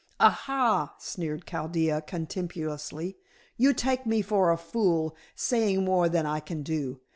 "Aha," sneered Chaldea contemptuously, "you take me for a fool, saying more than I can do.